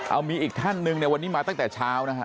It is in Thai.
เอามีอีกท่านหนึ่งในวันนี้มาตั้งแต่เช้านะฮะ